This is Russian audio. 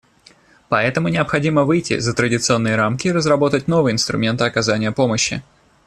Поэтому необходимо выйти за традиционные рамки и разработать новые инструменты оказания помощи.